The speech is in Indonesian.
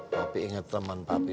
papi ingat teman papi